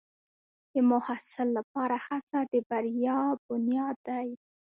د محصل لپاره هڅه د بریا بنیاد دی.